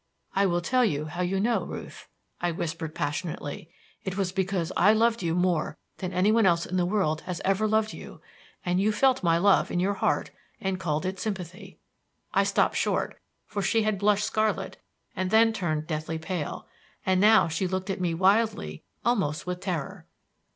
"I will tell you how you know, Ruth," I whispered passionately. "It was because I loved you more than anyone else in the world has ever loved you, and you felt my love in your heart and called it sympathy." I stopped short, for she had blushed scarlet and then turned deathly pale. And now she looked at me wildly, almost with terror.